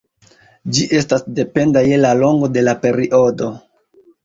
Ĝi estas dependa je la longo de la periodo.